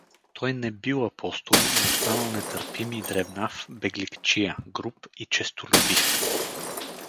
Той не бил апостол, но станал нетърпим и дребнав бегликчия, груб и честолюбив.